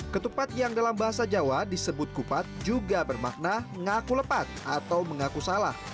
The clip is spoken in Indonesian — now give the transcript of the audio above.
ketupat yang dalam bahasa jawa disebut kupat juga bermakna mengaku lepat atau mengaku salah